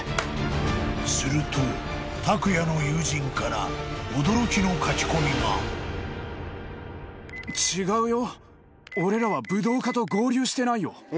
［するとたくやの友人から驚きの書き込みが］マジか。